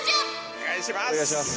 お願いします。